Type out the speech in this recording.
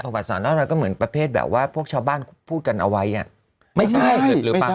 ประวัติศาสตร์นอกตำราก็เหมือนประเทศแบบว่าพวกชาวบ้านพูดกันเอาไว้อ่ะไม่ใช่หรือเปล่า